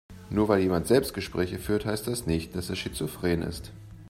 Nur weil jemand Selbstgespräche führt, heißt das nicht, dass er schizophren ist.